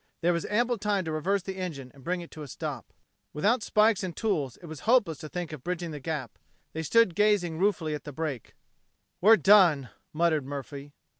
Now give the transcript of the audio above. There was ample time to reverse the engine and bring it to a stop. Without spikes and tools it was hopeless to think of bridging the gap. They stood gazing ruefully at the break. "We're done!" muttered Murphy.